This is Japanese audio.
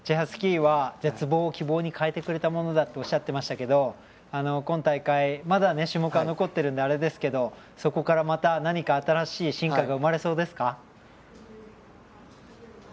スキーは絶望を希望に変えてくれたものだとおっしゃっていましたけど今大会まだ種目は残っているのでそこから新しい進化が生まれそうですか？